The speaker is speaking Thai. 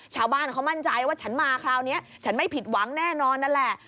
ชาวบ้านเขามั่นใจว่าฉันมาคราวนี้ฉันไม่ผิดหวังแน่นอนนั่นแหละ